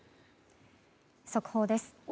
速報です。